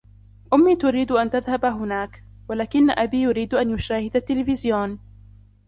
أُمي تريد أن تذهب هناك, ولكن أبي يريد أن يشاهد التليفزيون.